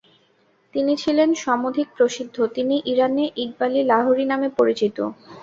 তিনি ছিলেন সমধিক প্রসিদ্ধ; তিনি ইরানে ইকবাল-ই-লাহোরী নামে পরিচিত।